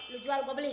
lu jual gua beli